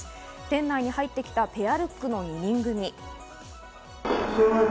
店内に入ってきたペアルックの２人組。